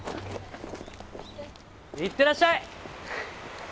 行ってらっしゃい！